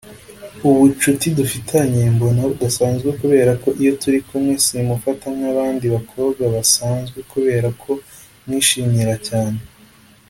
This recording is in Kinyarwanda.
” Ubucuti dufitanye mbona budasanzwe kubera ko iyo turi kumwe simufata nk'abandi bakobwa basanzwe kubera ko mwishimira cyane